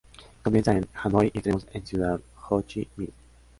Comienza en Hanoi y extremos en Ciudad Ho Chi Minh.